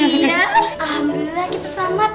alhamdulillah kita selamat